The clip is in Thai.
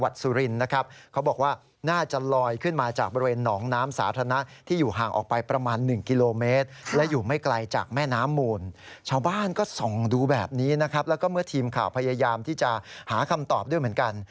ดูแบบนี้นะครับแล้วก็เมื่อทีมข่าวพยายามที่จะหาคำตอบด้วยเหมือนกัน